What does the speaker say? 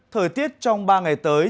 thời tiết trong ba ngày tới